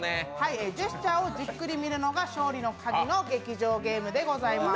ジェスチャーをじっくり見るのが勝利のカギの劇場ゲームでございます。